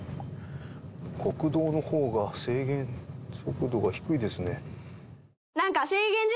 国道の方が制限速度が低いですね。